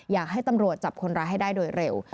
อยากให้ตำรวจจับคนร้ายให้ได้โดยเร็ว